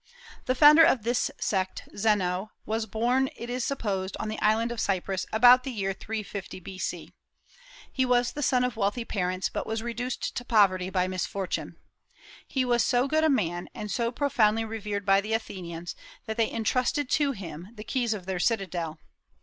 The founder of this sect, Zeno, was born, it is supposed, on the island of Cyprus, about the year 350 B.C. He was the son of wealthy parents, but was reduced to poverty by misfortune. He was so good a man, and so profoundly revered by the Athenians, that they intrusted to him the keys of their citadel.